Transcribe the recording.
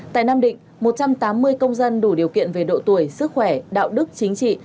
tại nam định một trăm tám mươi công dân đủ điều kiện về độ tuổi sức khỏe đạo đức chính trị